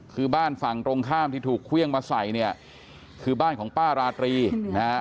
คือบ้านฝั่งตรงข้ามที่ถูกเครื่องมาใส่เนี่ยคือบ้านของป้าราตรีนะฮะ